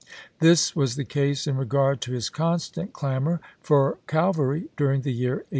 This was the case in regard to his constant clamor for cavalry during the year 1863.